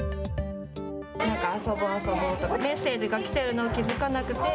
なんか遊ぼう、遊ぼうとかメッセージが来ていることを気付かなくて、